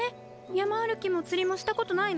やまあるきもつりもしたことないの？